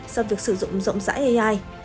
do việc sử dụng rộng rãi ai